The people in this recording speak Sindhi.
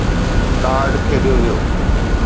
ڪارڊ کيڏيو ويو.